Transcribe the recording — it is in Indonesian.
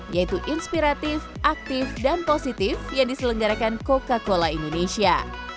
yaitu inspiratif aktif dan positif yang diselenggarakan coca cola indonesia